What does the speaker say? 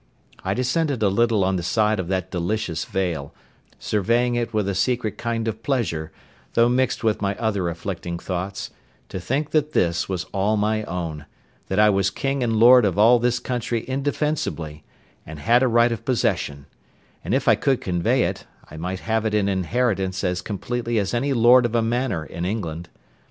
I descended a little on the side of that delicious vale, surveying it with a secret kind of pleasure, though mixed with my other afflicting thoughts, to think that this was all my own; that I was king and lord of all this country indefensibly, and had a right of possession; and if I could convey it, I might have it in inheritance as completely as any lord of a manor in England.